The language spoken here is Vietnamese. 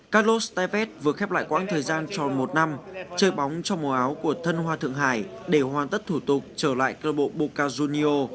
carlos tevez vừa khép lại quãng thời gian tròn một năm chơi bóng trong màu áo của thân hoa thượng hải để hoàn tất thủ tục trở lại club bucca junio